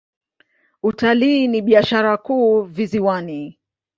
Utalii ni biashara kuu visiwani.